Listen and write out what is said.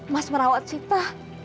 mas merawat sita